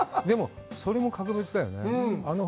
でも、それも格別だよね。